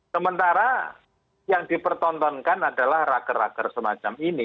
sementara yang dipertontonkan adalah rager rager semacam ini